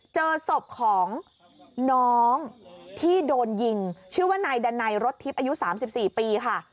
เจอศพของน้องที่โดนยิงชื่อว่านายดันไนรถทิพย์อายุ๓๔ปีค่ะ